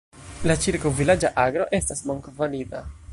La ĉirkaŭ-vilaĝa agro estas bonkvalita.